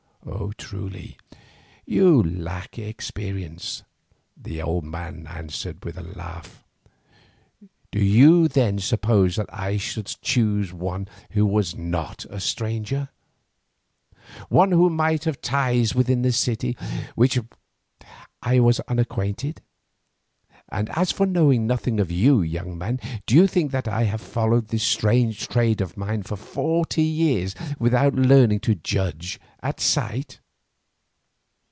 "Truly, you lack experience," the old man answered with a laugh. "Do you then suppose that I should choose one who was not a stranger—one who might have ties within this city with which I was unacquainted. And as for knowing nothing of you, young man, do you think that I have followed this strange trade of mine for forty years without learning to judge at sight?